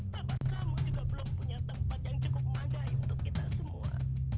tapi kamu juga belum punya tempat yang cukup memadai untuk kita semua